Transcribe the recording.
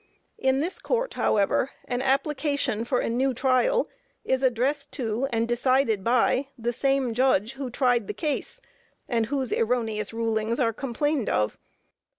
In this court, however, an application for a new trial is addressed to and decided by the same judge who tried the case, and whose erroneous rulings are complained of.